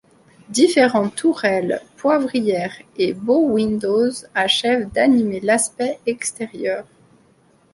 Différentes tourelles, poivrières et bow-windows achèvent d'animer l'aspect extérieur.